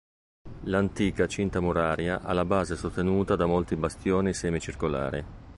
L'antica cinta muraria ha la base sostenuta da molti bastioni semicircolari.